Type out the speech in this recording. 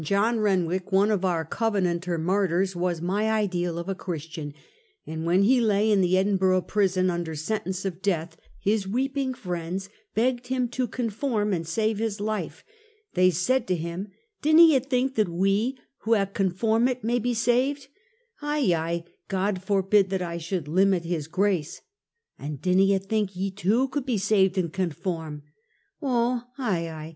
John Kenwick, one of our Covenanter martjrs, was my ideal of a Christian, and when he lay in the Edinburg prison under sentence of death, his weeping friends begged him to conform and save his life. They said to him: " Dinna ye think that we, who ha' conformit may be saved?" " Aye, aye, God forbid that I should limit his grace." " An' dinna ye think, ye too could be saved and conform?" " Oh, aye aye.